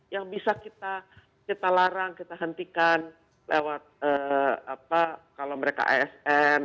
yang bisa kita larang kita hentikan lewat kalau mereka asn